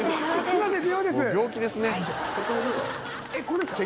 「もう病気ですね」